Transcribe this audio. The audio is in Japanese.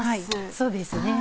そうですね。